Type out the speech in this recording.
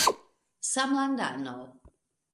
samlandano